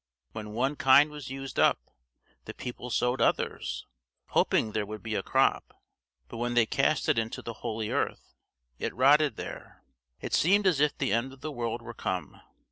When one kind was used up, the people sowed others, hoping that there would be a crop; but when they cast it into the holy earth, it rotted there. It seemed as if the end of the world were come.